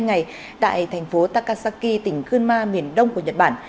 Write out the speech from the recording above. hai ngày tại thành phố takasaki tỉnh kunma miền đông của nhật bản